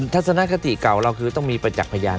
แต่ศนากษี่เก่าเราคือต้องมีประจักษ์พยาน